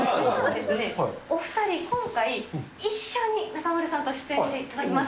お２人、今回、一緒に中丸さんと出演していただきます。